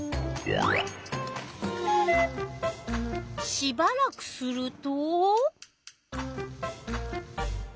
しばらくすると。